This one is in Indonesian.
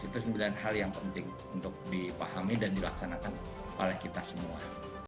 itu sembilan hal yang penting untuk dipahami dan dilaksanakan oleh kita semua